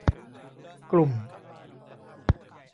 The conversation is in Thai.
กลุ่ม